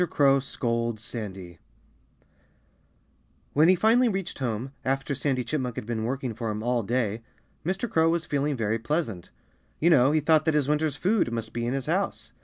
CROW SCOLDS SANDY When he finally reached home, after Sandy Chipmunk had been working for him all day, Mr. Crow was feeling very pleasant. You know, he thought that his winter's food must be in his house.